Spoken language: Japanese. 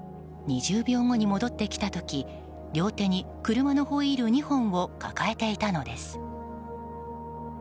２０秒後に戻ってきた時両手に車のホイール２本を抱えていたのです。